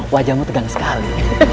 wajahmu tegang sekali